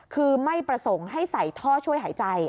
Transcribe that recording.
คือไม่ประสงค์ให้ใส่ท่อช่วยหายใจ